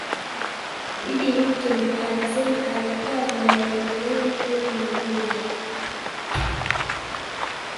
Bibi Hutton alisema alikuwa na malengelenge kwenye miguu yake